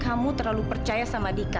kamu terlalu percaya sama dika